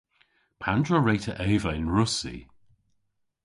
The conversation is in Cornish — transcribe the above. Pandr'a wre'ta eva yn Russi?